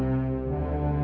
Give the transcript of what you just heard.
aku mau kemana